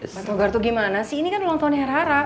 pak togar tuh gimana sih ini kan ulang tahunnya rara